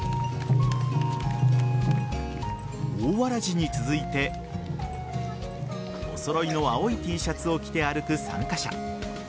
大わらじに続いてお揃いの青いＴシャツを着て歩く参加者。